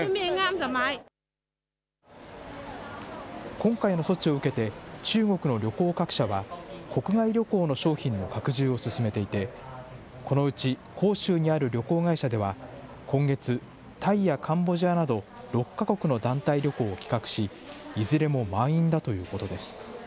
今回の措置を受けて、中国の旅行各社は、国外旅行の商品の拡充を進めていて、このうち広州にある旅行会社では、今月、タイやカンボジアなど６か国の団体旅行を企画し、いずれも満員だということです。